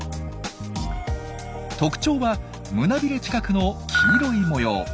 特徴は胸びれ近くの黄色い模様。